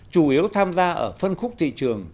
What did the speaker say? chủ yếu tham gia ở phân khúc thị trường